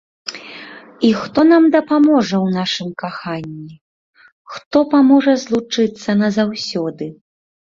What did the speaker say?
І хто нам дапаможа ў нашым каханні, хто паможа злучыцца назаўсёды?